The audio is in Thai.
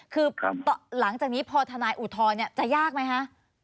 คือหลังจากนี้พอทนายอุทธรณ์จะยากไหมคะ